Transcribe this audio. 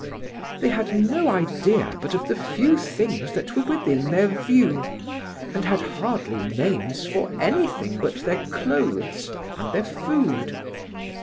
They had no idea but of the few things that were within their view, and had hardly names for anything but their clothes and their food.